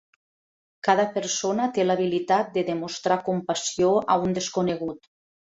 Cada persona té l'habilitat de demostrar compassió a un desconegut.